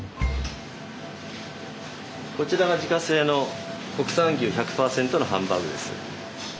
こちらが自家製の国産牛１００％のハンバーグです。